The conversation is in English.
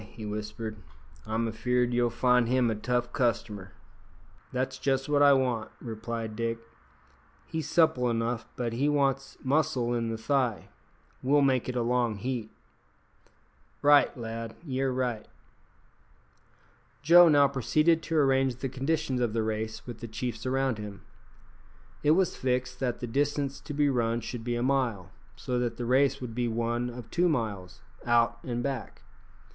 he whispered, "I'm afeard you'll find him a tough customer." "That's just what I want," replied Dick. "He's supple enough, but he wants muscle in the thigh. We'll make it a long heat." "Right, lad, ye're right." Joe now proceeded to arrange the conditions of the race with the chiefs around him. It was fixed that the distance to be run should be a mile, so that the race would be one of two miles, out and back.